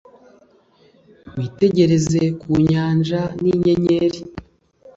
witegereze ku nyanja n'inyenyeri